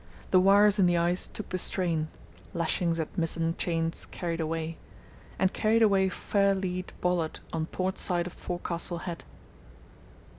The wires in the ice took the strain (lashings at mizzen chains carried away) and carried away fair lead bollard on port side of forecastle head.